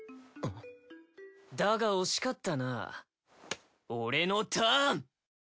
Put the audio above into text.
だが惜しかったな俺のターン！